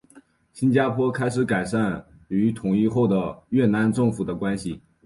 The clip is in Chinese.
新加坡开始改善与统一后的越南政府的关系。